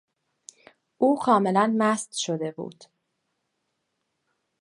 او کاملا مست شده بود.